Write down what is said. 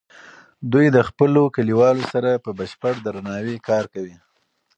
دوی د خپلو کلیوالو سره په بشپړ درناوي کار کوي.